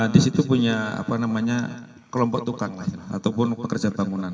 di situ punya kelompok tukang ataupun pekerja bangunan